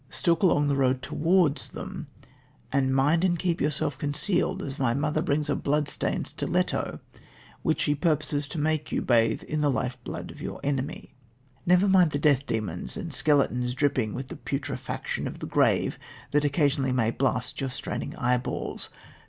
Stalk along the road towards them and mind and keep yourself concealed as my mother brings a blood stained stiletto which she purposes to make you bathe in the lifeblood of your enemy. Never mind the Death demons and skeletons dripping with the putrefaction of the grave, that occasionally may blast your straining eyeballs.